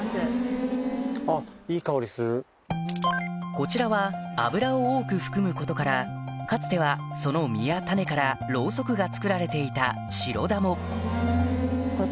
こちらは油を多く含むことからかつてはその実や種からロウソクが作られていたシロダモと思えばどれどれ？